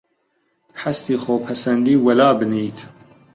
هەستی خۆپەسەندیی وەلابنێیت